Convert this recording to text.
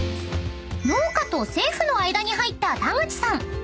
［農家と政府の間に入った田口さん］